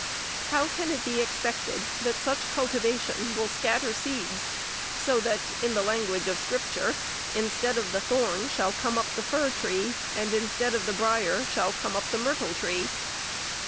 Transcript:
How can it be ex pected that such cultivation will scatter seeds, so that, in the language of Scripture, "instead of the thorn shall come up the fir tree, and instead of the brier shall come up the myrtle tree